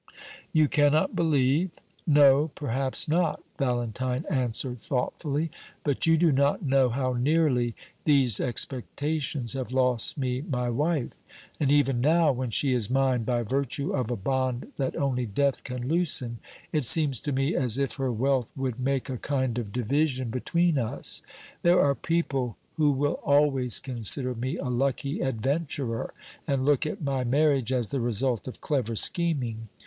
"You cannot believe? No, perhaps not," Valentine answered, thoughtfully. "But you do not know how nearly these expectations have lost me my wife. And even now, when she is mine by virtue of a bond that only death can loosen, it seems to me as if her wealth would make a kind of division between us. There are people who will always consider me a lucky adventurer, and look at my marriage as the result of clever scheming.